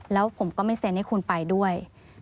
แล้วผมก็ไม่เซ็นให้คุณไปด้วย